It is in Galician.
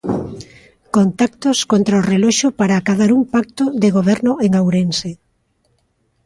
Contactos contra o reloxo para acadar un pacto de goberno en Ourense.